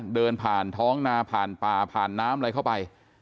เดินผ่านท้องนาผ่านป่าผ่านน้ำอะไรเข้าไป